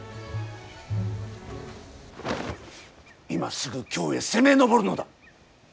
今すぐ京へ攻め上るのだ！